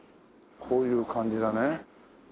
こういう感じだね。